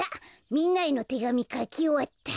みんなへのてがみかきおわった。